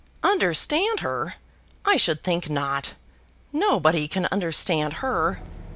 "Understand her! I should think not; nobody can understand her.